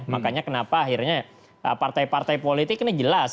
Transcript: makanya kenapa akhirnya partai partai politik ini jelas